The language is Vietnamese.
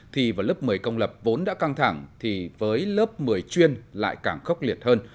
thì vào lớp một mươi công lập vốn đã căng thẳng thì với lớp một mươi chuyên lại càng khốc liệt hơn